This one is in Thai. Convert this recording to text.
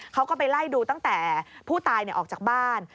เขาก็ไปไล่ดูตั้งแต่ผู้ตายออกจากบ้าน